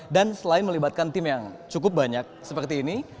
dan selain melibatkan tim yang cukup banyak seperti ini